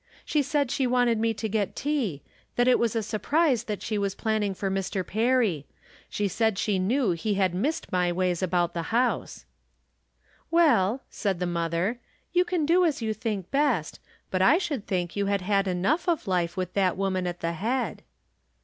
" She said she wanted me to get tea ; that it was a surprise that she was planning for Mr. Perry. She said she knew he had missed my ways about the house." " Well," said the mother, " you can do as you think best, but I should think you had enough of life with that woman at the head." From Different Standpoints.